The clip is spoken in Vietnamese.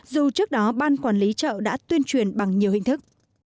dù trước đó ban quản lý chợ đã tuyên truyền bằng nhiều hình thức